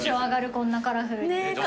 こんなカラフル。